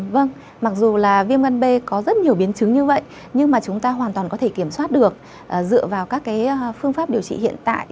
vâng mặc dù là viêm gan b có rất nhiều biến chứng như vậy nhưng mà chúng ta hoàn toàn có thể kiểm soát được dựa vào các phương pháp điều trị hiện tại